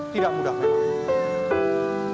tidak mudah memang